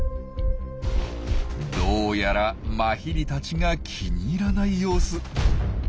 どうやらマヒリたちが気に入らない様子。